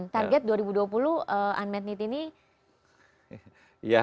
target dua ribu dua puluh unmetnit ini berapa banyak